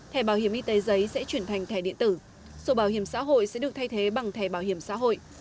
thẻ bảo hiểm y tế giấy sẽ chuyển thành thẻ điện tử sổ bảo hiểm xã hội sẽ được thay thế bằng thẻ bảo hiểm xã hội